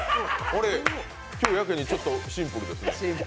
今日、やけにちょっとシンプルですね。